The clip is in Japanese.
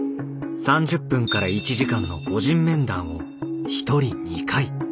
３０分から１時間の個人面談を１人２回。